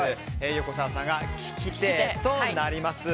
横澤さんが聞き手となります。